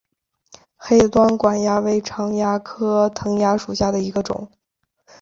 黑端管蚜为常蚜科藤蚜属下的一个种。